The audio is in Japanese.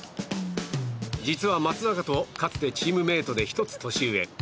実は松坂とかつてチームメートで１つ年上。